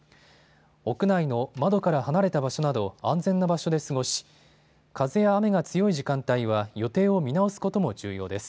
屋内の窓から離れた場所など安全な場所で過ごし風や雨が強い時間帯は予定を見直すことも重要です。